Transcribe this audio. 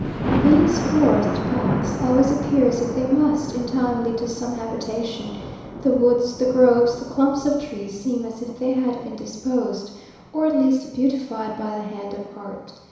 These forest paths always appear as if they must, in time, lead to some habitation; the woods, the groves, the clumps of trees, seem as if they had been disposed, or at least beautified by the hand of art.